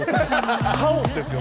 カオスですよ